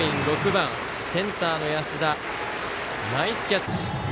６番センターの安田ナイスキャッチ。